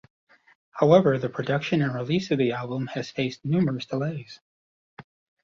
However, the production and release of the album has faced numerous delays.